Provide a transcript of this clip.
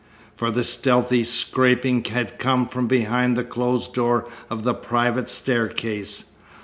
For the stealthy scraping had come from behind the closed door of the private staircase.